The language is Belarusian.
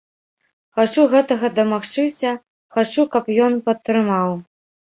Хачу гэтага дамагчыся, хачу, каб ён падтрымаў.